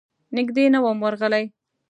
نږدې نه وم ورغلی.